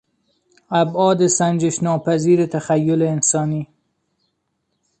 ابعاد سنجش ناپذیر تخیل انسانی